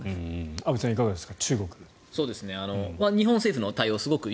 安部さん、いかがですか。